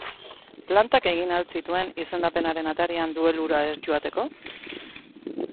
Plantak egin al zituen izendapenaren atarian duelura ez joateko?